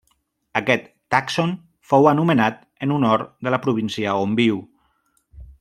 Aquest tàxon fou anomenat en honor de la província on viu.